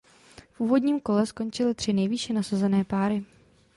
V úvodním kole skončily tři nejvýše nasazené páry.